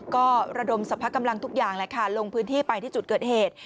ก็ระดมสรรพกำลังทุกอย่างแหละค่ะลงพื้นที่ไปที่จุดเกิดเหตุ